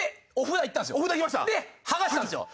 で剥がしたんですよ。